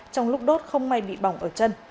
trong lúc đốt không may bị bỏng ở chân